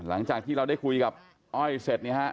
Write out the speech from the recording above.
หลังจากที่เราได้คุยกับอ้อยเสร็จเนี่ยฮะ